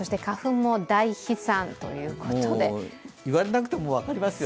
もう言われなくても分かりますよね。